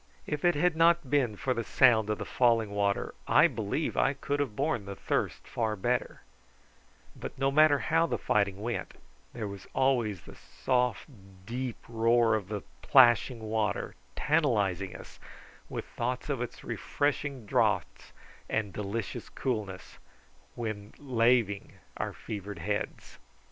If it had not been for the sound of the falling water I believe I could have borne the thirst far better; but no matter how the fighting went, there was always the soft deep roar of the plashing water tantalising us with thoughts of its refreshing draughts and delicious coolness when laving our fevered heads.